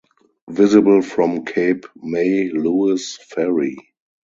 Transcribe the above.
Visible from Cape May-Lewes Ferry.